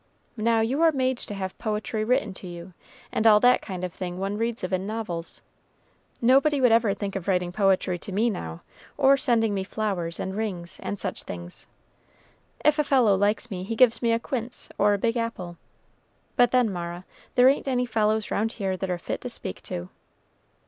Now, you are made to have poetry written to you, and all that kind of thing one reads of in novels. Nobody would ever think of writing poetry to me, now, or sending me flowers and rings, and such things. If a fellow likes me, he gives me a quince, or a big apple; but, then, Mara, there ain't any fellows round here that are fit to speak to."